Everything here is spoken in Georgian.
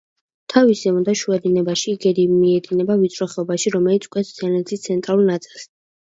თავის ზემო და შუა დინებაში იგი მიედინება ვიწრო ხეობაში, რომელიც კვეთს მთიანეთის ცენტრალურ ნაწილს.